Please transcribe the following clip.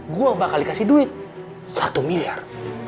gue bakal dikasih duit satu miliar